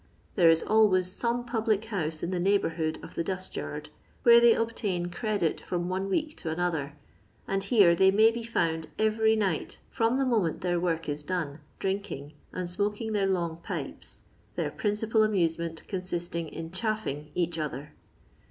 There is always some public house in the neighbourhood of the dust yard, where they obtain credit from one week to another, and here they may be found every night from the moment their work is done, drinking, and smoking their long pipes — their principal amuse ment consisting in *' chaffing " each other.